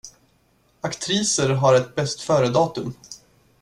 Aktriser har ett bäst föredatum.